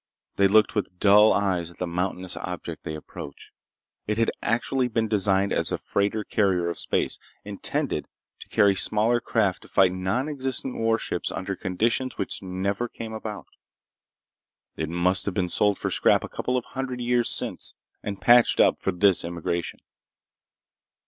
They looked with dull eyes at the mountainous object they approached. It had actually been designed as a fighter carrier of space, intended to carry smaller craft to fight nonexistent warships under conditions which never came about. It must have been sold for scrap a couple of hundred years since, and patched up for this emigration.